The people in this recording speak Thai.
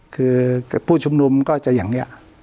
คือผู้ชุมนุมก็จะอย่างนี้